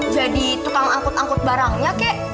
jadi tukang angkut angkut barangnya kayak